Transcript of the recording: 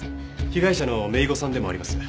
被害者の姪子さんでもあります。